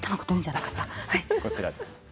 こちらです。